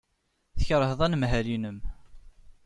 Tkeṛheḍ anemhal-nnem.